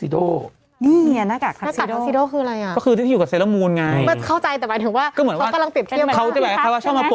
รู้หรอกไหมล่ะ